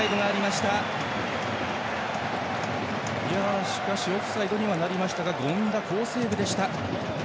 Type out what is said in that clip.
しかし、オフサイドにはなりましたが権田、好セーブ。